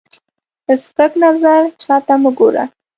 سپک نظر چاته مه ګوره